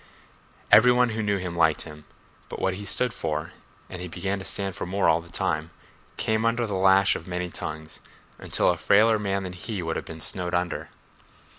Every one who knew him liked him—but what he stood for (and he began to stand for more all the time) came under the lash of many tongues, until a frailer man than he would have been snowed under.